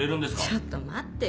ちょっと待ってよ。